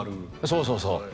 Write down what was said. そうそうそう。